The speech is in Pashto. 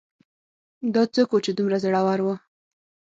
دا څوک و چې دومره زړور و